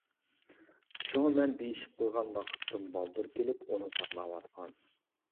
شۇڭا مەن دېيىشىپ قويغان ۋاقىتتىن بالدۇر كېلىپ ئۇنى ساقلاۋاتقان.